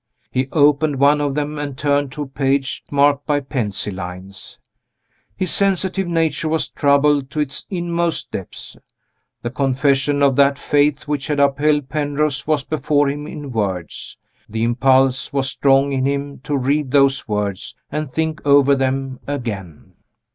He opened one of them, and turned to a page marked by pencil lines. His sensitive nature was troubled to its inmost depths. The confession of that Faith which had upheld Penrose was before him in words. The impulse was strong in him to read those words, and think over them again.